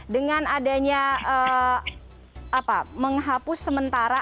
dengan adanya menghapus sementara